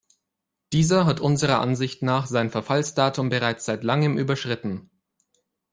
Dieser hat unserer Ansicht nach sein Verfallsdatum bereits seit langem überschritten.